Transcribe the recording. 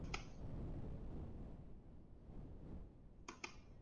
El video fue dirigido por Paul Minor.